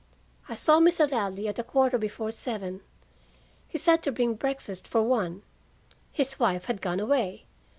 "I saw Mr. Ladley at a quarter before seven. He said to bring breakfast for one. His wife had gone away.